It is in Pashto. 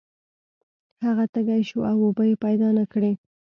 هغه تږی شو او اوبه یې پیدا نه کړې.